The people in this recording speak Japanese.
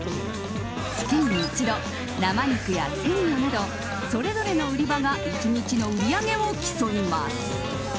月に１度、生肉や鮮魚などそれぞれの売り場が１日の売り上げを競います。